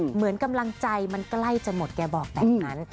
เหมือนกำลังใจมันใกล้จะหมดแกบอกแบบนั้น